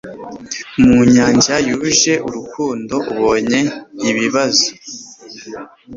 mu nyanja yuje urukundo, ubonye ibibazo